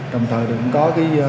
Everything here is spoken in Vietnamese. đồng thời cũng có